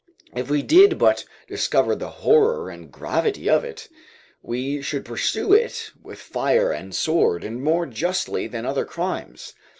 If we did but discover the horror and gravity of it, we should pursue it with fire and sword, and more justly than other crimes.